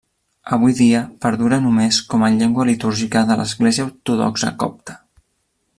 Avui dia perdura només com a llengua litúrgica de l'Església Ortodoxa Copta.